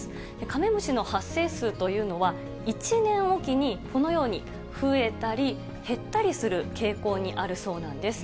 カメムシの発生数というのは、１年置きに、このように増えたり減ったりする傾向にあるそうなんです。